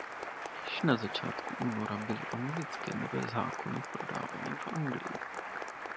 Již na začátku února byly anglické Nové zákony prodávány v Anglii.